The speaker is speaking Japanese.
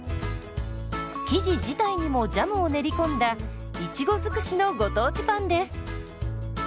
生地自体にもジャムを練り込んだいちご尽くしのご当地パンです。